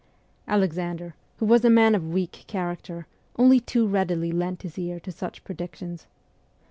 Alexander, who was a man of weak character, only too readily lent his ear to such predictions.